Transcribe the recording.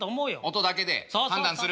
音だけで判断する。